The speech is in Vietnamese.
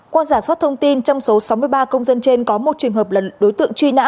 qua giả soát thông tin trong số sáu mươi ba công dân trên có một trường hợp là đối tượng truy nã